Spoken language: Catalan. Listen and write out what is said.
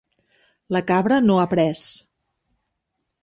La cabra no ha pres.